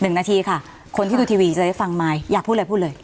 ๑นาทีค่ะคนที่ดูทีวีจะได้ฟังไมค์อยากพูดเลย